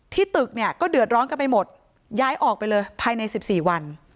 ตึกเนี่ยก็เดือดร้อนกันไปหมดย้ายออกไปเลยภายใน๑๔วัน